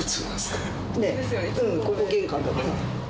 ここ玄関だから。